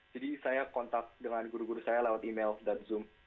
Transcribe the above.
saya kontak dengan guru guru saya lewat email dan zoom